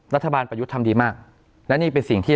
รัฐบาลประยุทธ์ทำดีมากและนี่เป็นสิ่งที่